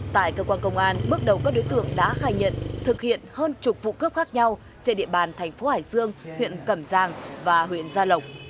tại cơ quan công an bước đầu các đối tượng đã khai nhận thực hiện hơn chục vụ cướp khác nhau trên địa bàn thành phố hải dương huyện cẩm giang và huyện gia lộc